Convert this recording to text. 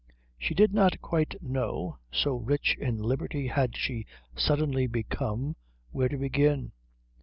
She did not quite know, so rich in liberty had she suddenly become, where to begin.